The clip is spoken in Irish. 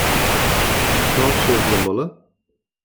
Tá sibh le moladh.